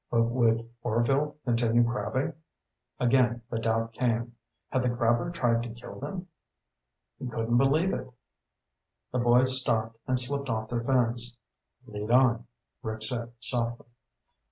But would Orvil continue crabbing? Again the doubt came. Had the crabber tried to kill them? He couldn't believe it. The boys stopped and slipped off their fins. "Lead on," Rick said softly.